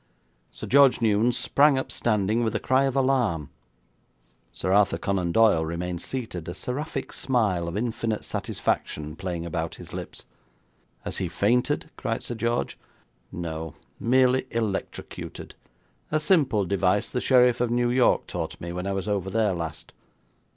Sir George Newnes sprang up standing with a cry of alarm. Sir Arthur Conan Doyle remained seated, a seraphic smile of infinite satisfaction playing about his lips. 'Has he fainted?' cried Sir George. 'No, merely electrocuted. A simple device the Sheriff of New York taught me when I was over there last.'